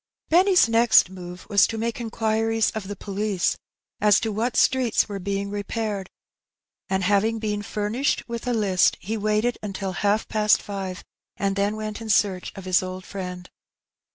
282 Her Bennt. Benny^s next move was to make inquiries of the police as to what streets were being repaired; and^ having been famished with a list, he waited until half past five^ and then went in search of his old friend.